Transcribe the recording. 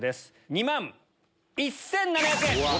２万１７００円。